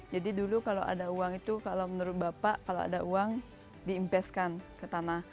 jadi dulu kalau ada uang itu kalau menurut bapak kalau ada uang di investkan ke tanah